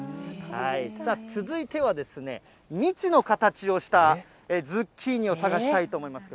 さあ、続いてはですね、未知の形をしたズッキーニを探したいと思います。